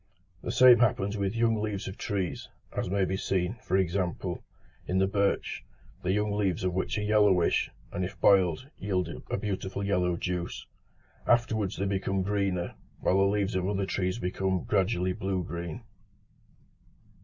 The same happens with young leaves of trees, as may be seen, for example, in the birch, the young leaves of which are yellowish, and if boiled, yield a beautiful yellow juice: afterwards they become greener, while the leaves of other trees become gradually blue green.